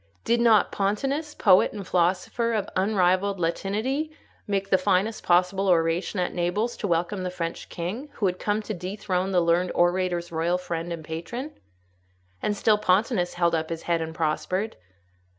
Did not Pontanus, poet and philosopher of unrivalled Latinity, make the finest possible oration at Naples to welcome the French king, who had come to dethrone the learned orator's royal friend and patron? and still Pontanus held up his head and prospered.